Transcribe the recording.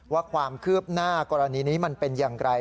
ว่าความคืบหน้ากรณีนี้มันเป็นอย่างไร